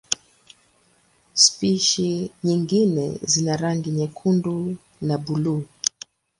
Spishi nyingine zina rangi nyekundu na buluu.